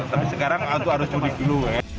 tapi sekarang harus mudik dulu ya